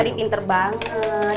dia udah pinter banget